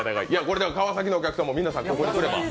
川崎のお客さんもここに来れば。